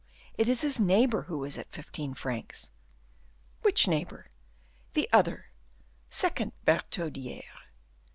it is his neighbor who is at fifteen francs." "Which neighbor?" "The other, second Bertaudiere."